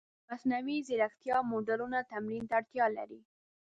د مصنوعي ځیرکتیا موډلونه تمرین ته اړتیا لري.